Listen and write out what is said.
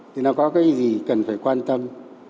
thì nó có cái gì cần phải quan tâm